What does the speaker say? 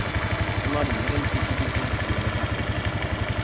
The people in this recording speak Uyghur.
ئۇلار يېرىم كېچىگىچە شۇ يەردە بولدى.